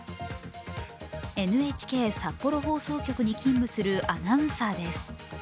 ＮＨＫ札幌放送局に勤務するアナウンサーです。